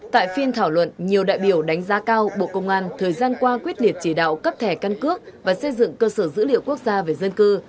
tại phiên thảo luận nhiều đại biểu đánh giá cao bộ công an thời gian qua quyết liệt chỉ đạo cấp thẻ căn cước và xây dựng cơ sở dữ liệu quốc gia về dân cư